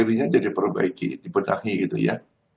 kirinya jadi perbaiki dipedangi gitu ya